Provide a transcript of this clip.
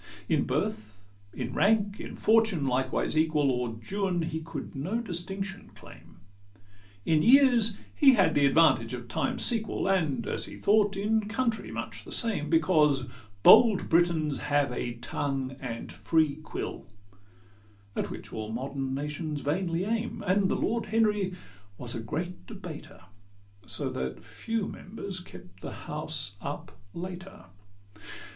XX In birth, in rank, in fortune likewise equal, O'er Juan he could no distinction claim; In years he had the advantage of time's sequel; And, as he thought, in country much the same Because bold Britons have a tongue and free quill, At which all modern nations vainly aim; And the Lord Henry was a great debater, So that few members kept the house up later.